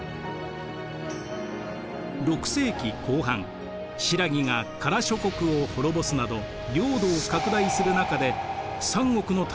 ６世紀後半新羅が加羅諸国を滅ぼすなど領土を拡大する中で三国の対立は激化。